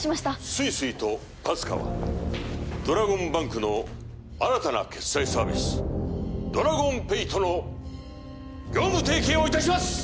ＳＵＩＳＵＩとＰＡＳＣＡはドラゴンバンクの新たな決済サービスドラゴンペイとの業務提携をいたします！